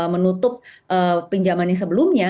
menutup pinjamannya sebelumnya